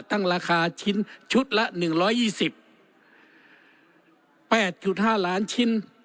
ตั้งราคาชิ้นชุดละหนึ่งร้อยยี่สิบแปดจุดห้าล้านชิ้น